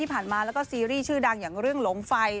ผ่านมาแล้วก็ซีรีส์ชื่อดังอย่างเรื่องหลงไฟ